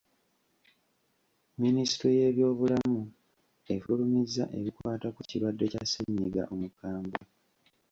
Minisitule y'ebyobulamu efulumizza ebikwata ku kirwadde kya ssennyiga omukambwe.